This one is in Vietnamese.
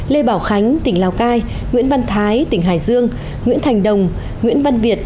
lê bảo khánh tỉnh lào cai nguyễn văn thái tỉnh hải dương nguyễn thành đồng nguyễn văn việt